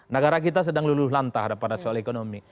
negara kita sedang luluh lantah pada soal ekonomi